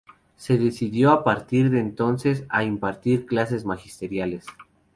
Se dedicó a partir de entonces a impartir clases magistrales.